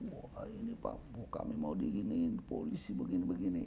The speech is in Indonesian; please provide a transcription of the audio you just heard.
wah ini pak kami mau diginiin polisi begini begini